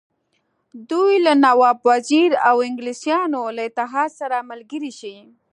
دوی له نواب وزیر او انګلیسیانو له اتحاد سره ملګري شي.